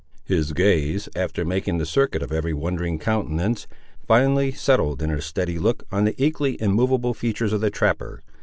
His gaze, after making the circuit of every wondering countenance, finally settled in a steady look on the equally immovable features of the trapper.